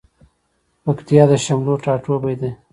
پکتيا د شملو ټاټوبی ده